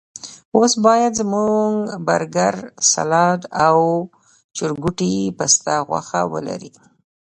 اوس باید زموږ برګر، سلاد او د چرګوټي پسته غوښه ولري.